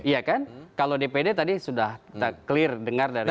iya kan kalau dpd tadi sudah kita clear dengar dari